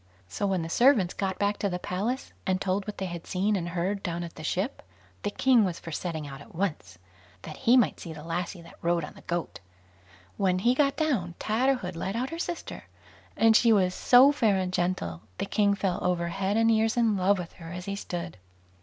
So when the servants got back to the palace, and told what they had seen and heard down at the ship, the king was for setting out at once, that he might see the lassie that rode on the goat. When he got down, Tatterhood led out her sister, and she was so fair and gentle, the king fell over head and ears in love with her as he stood.